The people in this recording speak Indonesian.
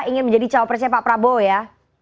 ingin menjadi cowok persia pak prabowo ya